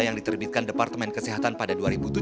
yang diterbitkan departemen kesehatan pada dua ribu tujuh belas